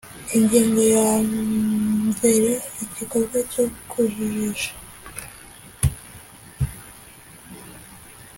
Ingingo ya mvere Igikorwa cyo kujijisha